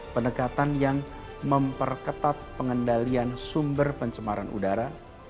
pendekatan yang memperketat pengendalian sumber pencemaran udara